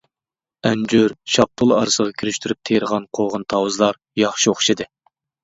ئەنجۈر، شاپتۇل ئارىسىغا كىرىشتۈرۈپ تېرىغان قوغۇن- تاۋۇز ياخشى ئوخشىدى.